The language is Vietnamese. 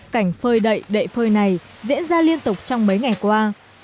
cảnh phơi đậy đậy phơi này diễn ra liên tục trong mấy ngày qua